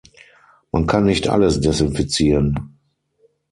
Man kann nicht alles desinfizieren.